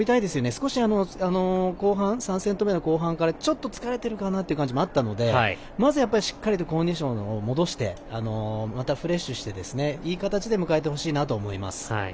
少し３セット目の後半からちょっと疲れてるかなという感じもあったのでまず、しっかりとコンディションを戻してまたリフレッシュして、いい形で迎えてほしいなと思います。